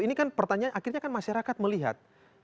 ini kan pertanyaan akhirnya kan masyarakat melihat